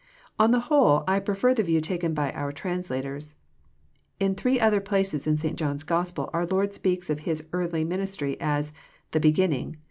On the whole, I prefer the view taken by our translators. In three other places in St. John's Gospel our Lord speaks of His early ministry as "the beginning."